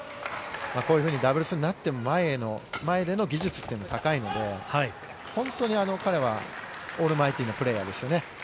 こういうふうにダブルスになっても、前での技術というのが高いので、本当に彼はオールマイティーなプレーヤーですよね。